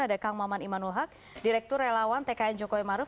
ada kang maman imanul haq direktur relawan tkn jokowi maruf